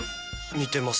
似てます。